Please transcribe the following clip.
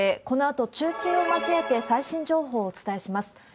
このあと、中継を交えて最新情報をお伝えします。